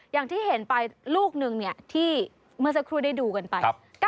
อย่างที่เห็นไปลูกหนึ่งที่เมื่อสักครู่ได้ดูกันไป